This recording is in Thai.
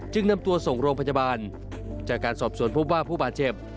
นำตัวส่งโรงพยาบาลจากการสอบสวนพบว่าผู้บาดเจ็บ